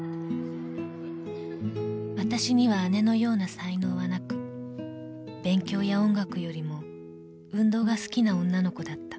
［わたしには姉のような才能はなく勉強や音楽よりも運動が好きな女の子だった］